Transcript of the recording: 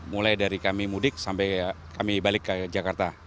mulai dari kami mudik sampai kami balik ke jakarta